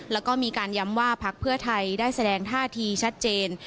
แล้วก็มีการย้ำว่าพักเพื่อไทยได้แสดงท่าทีชัดเจน